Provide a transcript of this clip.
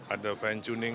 ada fan tuning